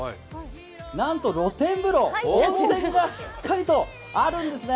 なんと露天風呂、温泉がしっかりとあるんですね。